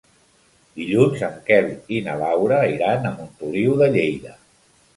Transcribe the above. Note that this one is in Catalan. Dilluns en Quel i na Laura iran a Montoliu de Lleida.